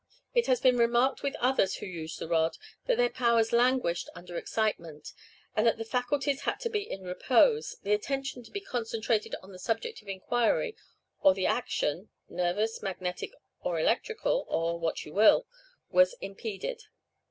It has been remarked with others who used the rod, that their powers languished under excitement, and that the faculties had to be in repose, the attention to be concentrated on the subject of inquiry, or the action nervous, magnetic, or electrical, or what you will was impeded.